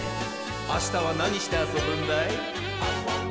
あしたはなにしてあそぶんだい？